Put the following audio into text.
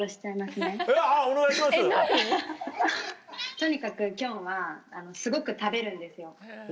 とにかくきょんはすごく食べるんですよ。